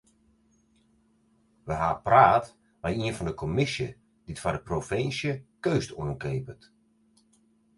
We ha praat mei ien fan de kommisje dy't foar de provinsje keunst oankeapet.